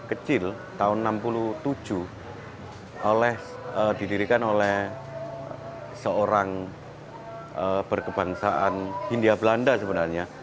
kecil tahun seribu sembilan ratus enam puluh tujuh didirikan oleh seorang berkebangsaan hindia belanda sebenarnya